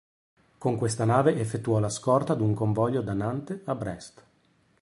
Con questa nave effettuò la scorta ad un convoglio da Nantes a Brest.